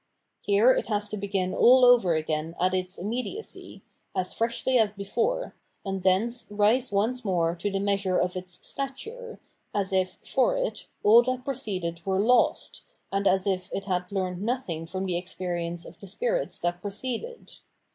Here it has to begin all over again at its immediacy,* as freshly as before, and thence rise once more to the measure of its stature, as if, for it, all that preceded were lost, and as if it had learned nothing from the experience of the spirits that preceded.